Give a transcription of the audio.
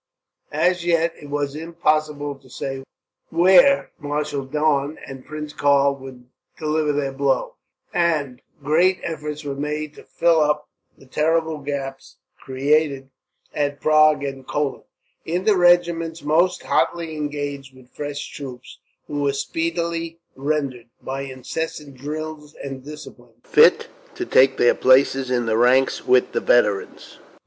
As yet, it was impossible to say where Marshal Daun and Prince Karl would deliver their blow, and great efforts were made to fill up the terrible gaps created at Prague and Kolin, in the regiments most hotly engaged, with fresh troops; who were speedily rendered, by incessant drills and discipline, fit to take their places in the ranks with the veterans.